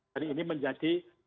jadi ini menjadi